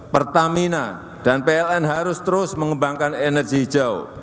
pertamina dan pln harus terus mengembangkan energi hijau